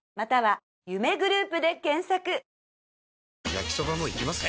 焼きソバもいきます？